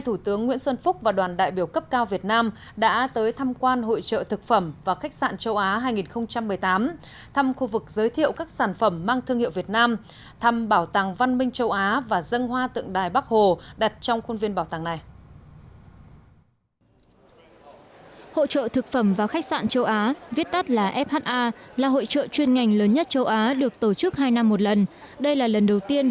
thủ tướng nguyễn xuân phúc đã tới tham quan bảo tàng văn minh châu á acm một trong những bảo tàng quốc gia nổi tiếng nhất của singapore